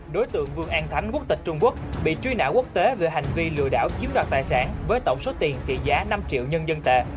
đối tượng vương an thánh quốc tịch trung quốc bị truy nã quốc tế về hành vi lừa đảo chiếm đoạt tài sản với tổng số tiền trị giá năm triệu nhân dân tệ